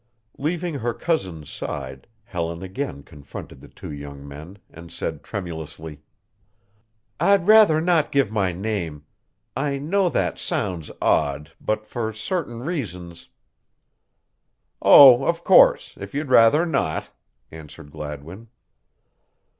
Leaving her cousin's side, Helen again confronted the two young men and said tremulously: "I'd rather not give my name. I know that sounds odd, but for certain reasons" "Oh, of course, if you'd rather not," answered Gladwin.